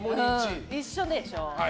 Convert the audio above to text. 一緒でしょ。